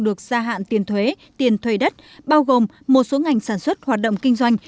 được gia hạn tiền thuế tiền thuế đất bao gồm một số ngành sản xuất hoạt động kinh doanh